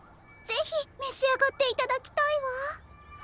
ぜひめしあがっていただきたいわ。